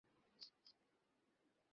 ইকরামা বলছেন, আমি কিভাবে একনিষ্ঠ হব?